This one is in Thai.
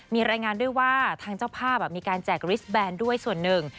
มีรายงานด้วยว่าทางเจ้าภาพมีการแจกริสแบนด้วยส่วนหนึ่ง